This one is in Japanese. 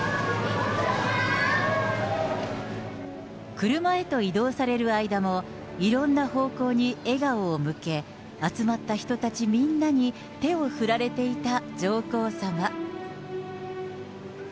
車へと移動される間も、いろんな方向に笑顔を向け、集まった人たちみんなに手を振られていた上皇さま。